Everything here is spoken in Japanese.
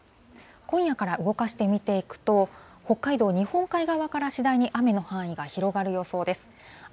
今夜から動かして見ていくと、北海道、日本海側から次第に雨の範囲が広がる予想です。